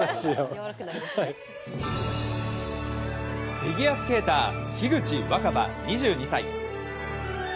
フィギュアスケーター樋口新葉、２２歳。